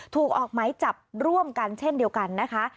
ถูกออกหมายจับร่วมกันเช่นเดียวกันนะคะ